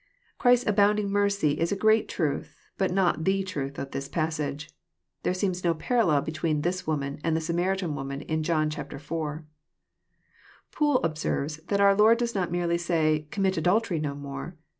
Christ's abounding mercy is a great truth, but not the truth of this passage. — There seems no parallel between this woman and the Samaritan woman in John Iv. Poole observes that our Lord does not merely say *' Commit adultery no more.